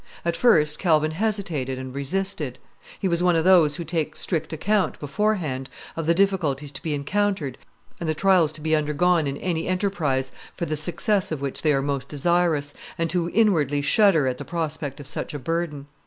At first Calvin hesitated and resisted; he was one of those who take strict account, beforehand, of the difficulties to be encountered and the trials to be undergone in any enterprise for the success of which they are most desirous, and who inwardly shudder at the prospect of such a burden.